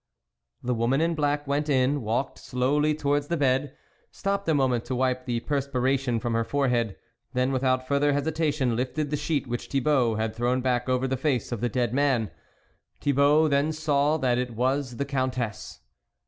The woman in black went in, walked slowly towards the bed, stopped a moment to wipe the perspiration from her forehead, then, without further hesitation, lifted the sheet which Thibault had thrown back over the face of the dead man ; Thibault then saw that it was the Countess.